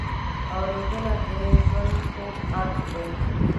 اورېدنه د ژوند خوږ اړخ دی.